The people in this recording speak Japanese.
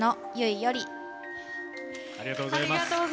ありがとうございます。